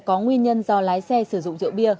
có nguyên nhân do lái xe sử dụng rượu bia